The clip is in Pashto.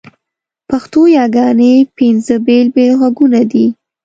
پښتو یاګاني پینځه بېل بېل ږغونه دي.